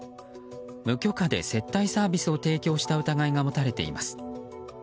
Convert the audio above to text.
無許可で接待サービスを提供した疑いが持たれています。